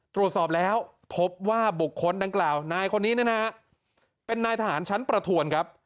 ตรวจสอบแล้วพบว่าบุคคลดังกล่าวนายคนนี้นะฮะเป็นนายทหารชั้นประทวนครับ